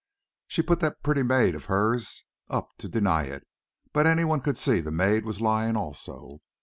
She put that pretty maid of hers up to deny it, but any one could see the maid was lying, also."